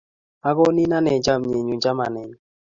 Akonin ane chamnyenyu chamanenyu